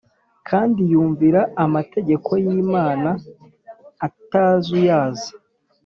kandi yumvira amategeko y’imana atazuyaza.